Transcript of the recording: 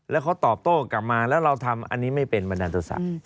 แล้วเขาตอบโต้กลับมาแล้วเราทำอันนี้ไม่เป็นบันดาลโทษะ